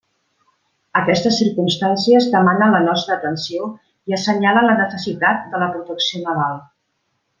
Aquestes circumstàncies demanen la nostra atenció i assenyalen la necessitat de la protecció naval.